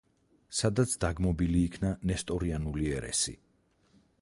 სადაც დაგმობილი იქნა ნესტორიანული ერესი.